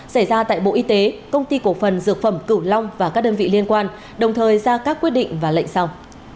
xảy ra tại bộ y tế công ty cổ phần dược phẩm cửu long và các đơn vị liên quan đồng thời ra các quyết định và lệnh sau